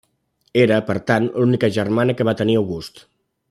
Era, per tant, l'única germana que va tenir August.